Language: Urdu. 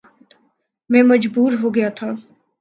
میں مجبور ہو گیا تھا